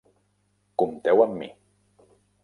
Compteu amb mi.